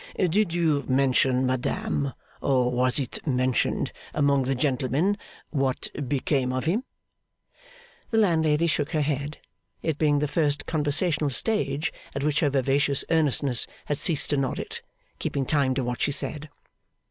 'Did you mention, madame or was it mentioned among the gentlemen what became of him?' The landlady shook her head; it being the first conversational stage at which her vivacious earnestness had ceased to nod it, keeping time to what she said.